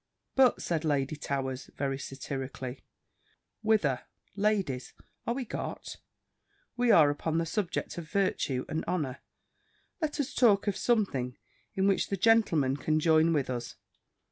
"But," said Lady Towers, very satirically, "whither, ladies, are we got? We are upon the subject of virtue and honour. Let us talk of something in which the gentlemen can join with us.